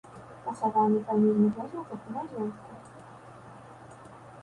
Пахаваны фамільных могілках ў маёнтку.